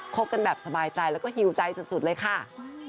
คบกันแบบสบายใจแล้วก็หิวใจสุดเลยค่ะ